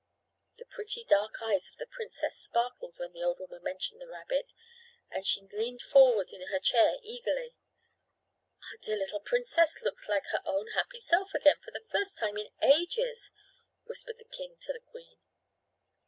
The pretty dark eyes of the princess sparkled when the old woman mentioned the rabbit and she leaned forward in her chair eagerly. "Our dear little princess looks like her own happy self again for the first time in ages," whispered the king to the queen.